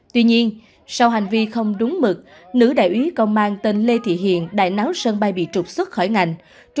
tuy nhiên sau hành vi không đúng mực nữ đại úy công an tên lê thị hiền đại náo sân bay bị trục xuất khỏi ngành